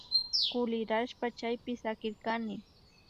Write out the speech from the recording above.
Kulirashpa chaypi sakirkani